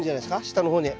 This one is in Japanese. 下の方に。